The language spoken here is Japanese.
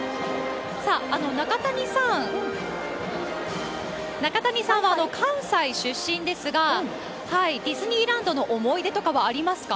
さあ、中谷さん、中谷さんは関西出身ですが、ディズニーランドの思い出とかはありますか？